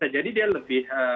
jadi dia lebih